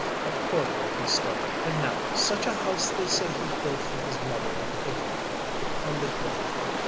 A poor boy he started, and now such a house they say he built for his mother in Avondale on the hill!